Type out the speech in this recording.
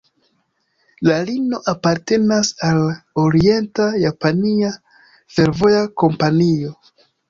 La linio apartenas al Orienta-Japania Fervoja Kompanio.